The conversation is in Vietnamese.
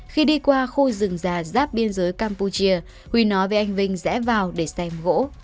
khi đi qua khu rừng già giáp biên giới campuchia huy nói với anh vinh rẽ vào để xem gỗ